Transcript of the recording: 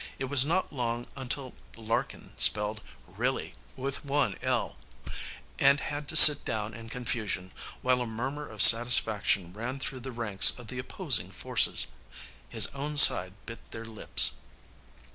It was not long until Larkin spelled "really" with one l, and had to sit down in confusion, while a murmur of satisfaction ran through the ranks of the opposing forces. His own side bit their lips.